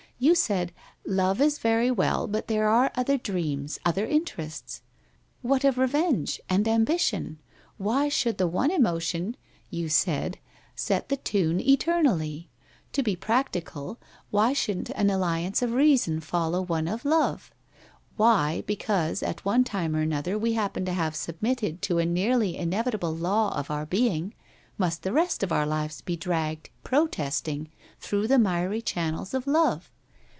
You said "Love is very well, but there are other dreams, other interests. What of re venge? And ambition? Why should the one emotion," WHITE ROSE OF WEARY LEAF 59 you said, "set the tune eternally? To be practical, why shouldn't an alliance of reason follow one of love? Why, because, at one time or another we happen to have sub mitted to a nearly inevitable law of our being, must the rest of our lives be dragged, protesting, through the miry channels of love?